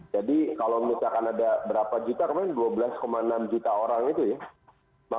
jadi kalau misalkan ada berapa juta kemarin dua belas enam juta orang itu ya